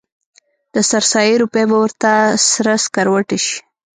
د سر سایې روپۍ به ورته سره سکروټه شي.